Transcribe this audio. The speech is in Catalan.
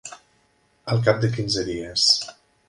Al cap de quinze dies.